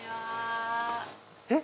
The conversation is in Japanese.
えっ？